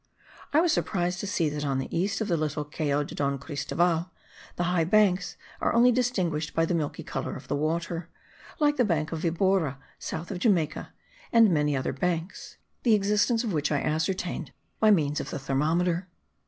I was surprised to see that on the east of the little Cayo de Don Cristoval the high banks are only distinguished by the milky colour of the water, like the bank of Vibora, south of Jamaica, and many other banks, the existence of which I ascertained by means of the thermometer.